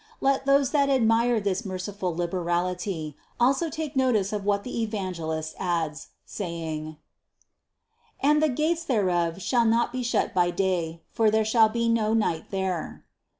Let those that admire this merciful liberality, also take notice of what the Evangelist adds, saying: 308. "And the gates thereof shall not be shut by day : for there shall be no night there."